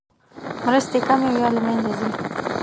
مرستې کمې او یا له مینځه ځي.